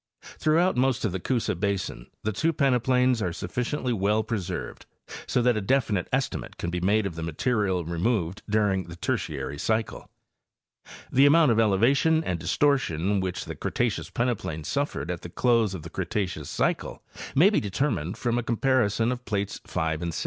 Throughout most of the Coosa basin the two peneplains are sufficiently well pre served so that a definite estimate can be made of the material removed during the Tertiary cycle. The amount of .elevation and distortion which the Cretaceous peneplain suffered at the close of the Cretaceous cycle may be determined from a compar ison of plates 5 and 6.